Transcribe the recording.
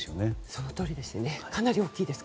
そのとおりです。